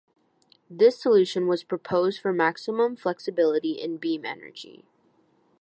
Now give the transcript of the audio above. This solution was proposed for maximum flexibility in beam energy.